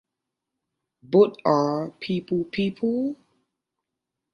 Both Are People People?